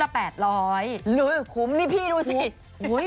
พี่นุ้ยขรุมนี่พี่ดูสิ